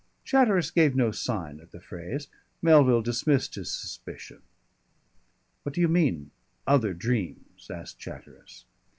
Chatteris gave no sign at the phrase. Melville dismissed his suspicion. "What do you mean other dreams?" asked Chatteris.